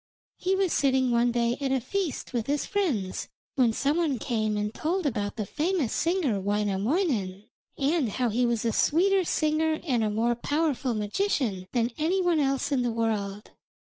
He was sitting one day at a feast with his friends, when some one came and told about the famous singer Wainamoinen, and how he was a sweeter singer and a more powerful magician than any one else in the world.